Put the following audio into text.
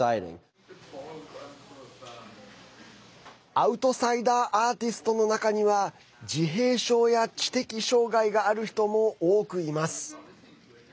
アウトサイダーアーティストの中には自閉症や知的障害がある人も多くいます。